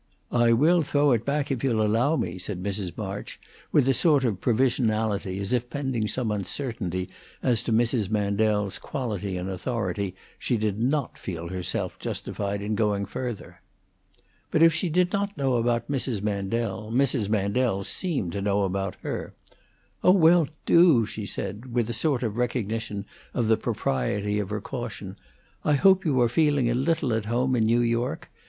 "I will throw it back, if you'll allow me," said Mrs. March, with a sort of provisionality, as if, pending some uncertainty as to Mrs. Mandel's quality and authority, she did not feel herself justified in going further. But if she did not know about Mrs. Mandel, Mrs. Mandel seemed to know about her. "Oh, well, do!" she said, with a sort of recognition of the propriety of her caution. "I hope you are feeling a little at home in New York.